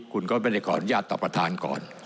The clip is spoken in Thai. คุณก็ไม่ได้ขออนุญาตต่อประธานก่อน